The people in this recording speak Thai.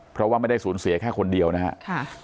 เพราะว่าไม่ได้สูญเสียแค่คนเดียวนะครับ